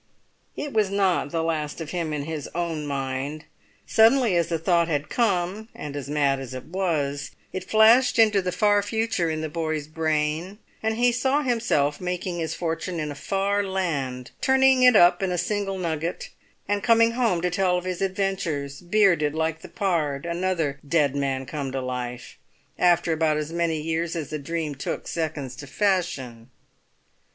It was not the last of him in his own mind; suddenly as the thought had come, and mad as it was, it flashed into the far future in the boy's brain; and he saw himself making his fortune in a far land, turning it up in a single nugget, and coming home to tell of his adventures, bearded like the pard, another "dead man come to life," after about as many years as the dream took seconds to fashion.